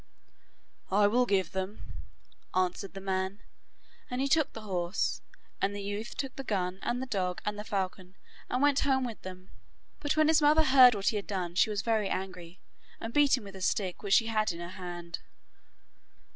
'I will give them,' answered the man, and he took the horse, and the youth took the gun and the dog and the falcon, and went home with them. But when his mother heard what he had done she was very angry, and beat him with a stick which she had in her hand.